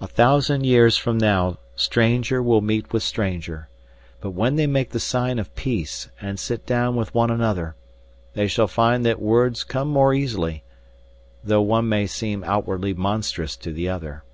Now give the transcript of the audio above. "A thousand years from now stranger will meet with stranger, but when they make the sign of peace and sit down with one another, they shall find that words come more easily, though one may seem outwardly monstrous to the other.